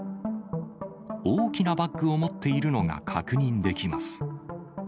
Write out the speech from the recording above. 大きなバッグを持っているのが確認できます。